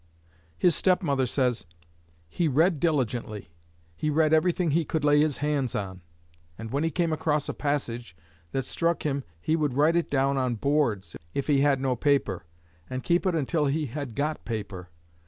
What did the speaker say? His step mother says: "He read diligently. He read everything he could lay his hands on, and when he came across a passage that struck him he would write it down on boards, if he had no paper, and keep it until he had got paper.